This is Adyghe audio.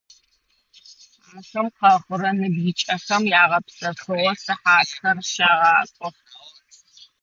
Ахэм къэхъурэ ныбжьыкӀэхэм ягъэпсэфыгъо сыхьатхэр щагъакӀох.